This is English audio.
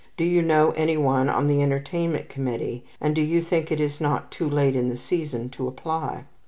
Do you know any one on the entertainment committee, and do you think it is not too late in the season to apply?